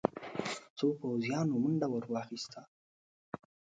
څو پوځيانو منډه ور واخيسته.